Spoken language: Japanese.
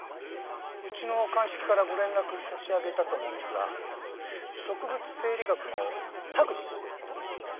うちの鑑識からご連絡差し上げたと思うんですが植物生理学の田口先生ですよね？